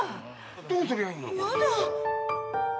どうすりゃいいの？